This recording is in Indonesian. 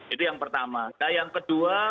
itu yang pertama nah yang kedua